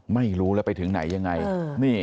ไม่รู้แล้วไปถึงไหนยังไง